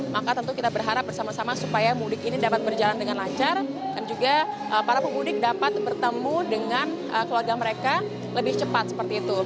maka tentu kita berharap bersama sama supaya mudik ini dapat berjalan dengan lancar dan juga para pemudik dapat bertemu dengan keluarga mereka lebih cepat seperti itu